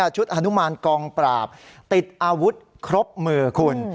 ชุดฮานุมานกองปราบติดอาวุธครบมือคุณ